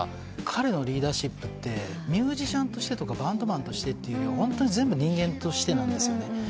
彼のリーダーシップってミュージシャンとしてとかバンドマンとしてというよりホントに全部人間としてなんですよね。